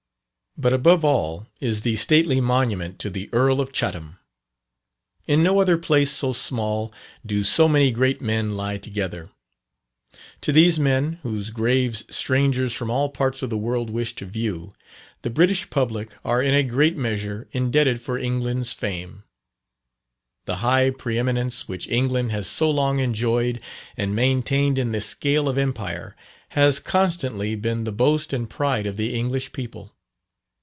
But, above all, is the stately monument to the Earl of Chatham. In no other place so small, do so many great men lie together. To these men, whose graves strangers from all parts of the world wish to view, the British public are in a great measure indebted for England's fame. The high pre eminence which England has so long enjoyed and maintained in the scale of empire, has constantly been the boast and pride of the English people.